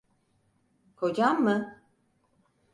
Kocan mı?